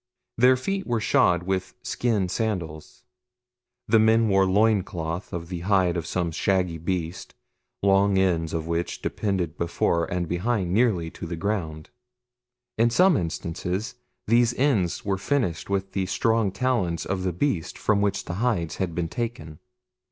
Their feet were shod with skin sandals. The men wore loin cloths of the hide of some shaggy beast, long ends of which depended before and behind nearly to the ground. In some instances these ends were finished with the strong talons of the beast from which the hides had been taken.